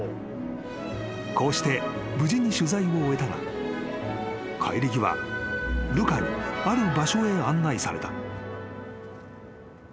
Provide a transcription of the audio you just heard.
［こうして無事に取材を終えたが帰り際ルカにある場所へ案内された］